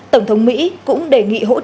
tổng thống mỹ cũng đề nghị hỗ trợ y tế